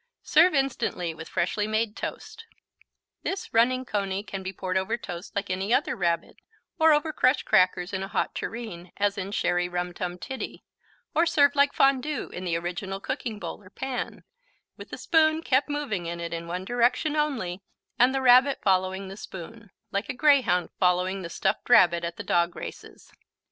Serve instantly with freshly made toast. This running cony can be poured over toast like any other Rabbit, or over crushed crackers in a hot tureen, as in Sherry Rum Tum Tiddy, or served like Fondue, in the original cooking bowl or pan, with the spoon kept moving in it in one direction only and the Rabbit following the spoon, like a greyhound following the stuffed rabbit at the dog races.